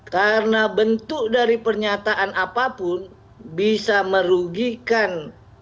karena bentuk dari pernyataan apapun bisa merugikan